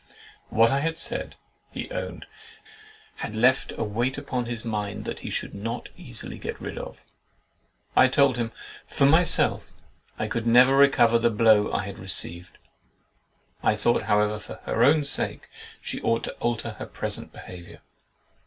"What I had said," he owned, "had left a weight upon his mind that he should not easily get rid of." I told him, "For myself, I never could recover the blow I had received. I thought, however, for her own sake, she ought to alter her present behaviour.